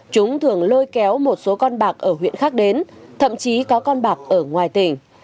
chúng thường lôi kéo một số con bạc ở huyện khác đến thậm chí có con bạc ở ngoài tỉnh